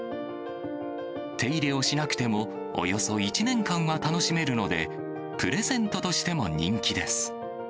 手入れをしなくてもおよそ１年間は楽しめるので、プレゼントとしても人気です。